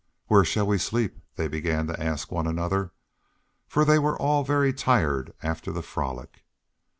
"Where shall we sleep?" they began to ask one another, for they were all very tired after the frolic.